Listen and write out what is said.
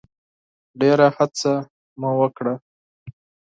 ډېره هڅه مي وکړه .